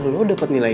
lo dapet nilai